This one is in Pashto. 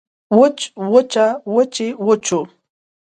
وچ وچه وچې وچو